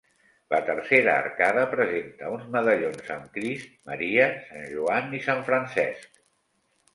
La tercera arcada presenta uns medallons amb Crist, Maria, Sant Joan i Sant Francesc.